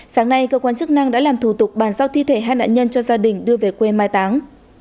sáng nay cơ quan chức năng đã làm thủ tục bàn giao thi thể hai nạn nhân cho gia đình đưa về quê mai táng